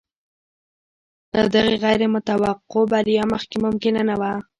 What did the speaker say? له دغې غیر متوقع بریا مخکې ممکنه نه وه.